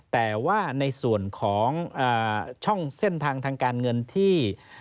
แต่ว่าในส่วนของช่องเส้นทางทางการเงินที่